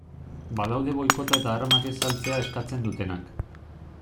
Badaude boikota eta armak ez saltzea eskatzen dutenak.